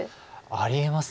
ありえます。